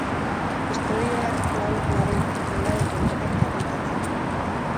Istorioak lau lagun langabetuen topaketa kontatzen digu.